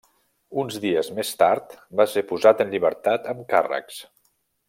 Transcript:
Uns dies més tard, va ser posat en llibertat amb càrrecs.